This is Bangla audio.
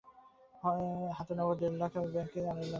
হাতে নগদ দেড় লাখ এবং ব্যাংকে আড়াই লাখের কিছু বেশি টাকা।